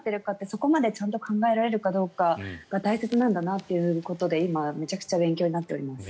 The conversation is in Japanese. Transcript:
そこまでちゃんと考えられるかどうかが大切なんだってことで今、めちゃくちゃ勉強になっております。